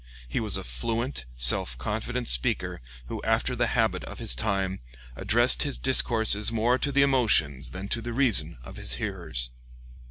He was a fluent, self confident speaker, who, after the habit of his time, addressed his discourses more to the emotions than to the reason of his hearers.